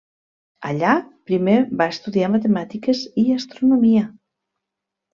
Allà, primer va estudiar matemàtiques i astronomia.